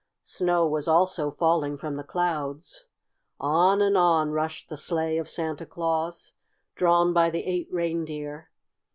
Snow was also falling from the clouds. On and on rushed the sleigh of Santa Claus, drawn by the eight reindeer.